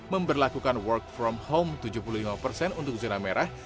pemerintah di daerah ini work from home nya tujuh puluh lima untuk zona non nerah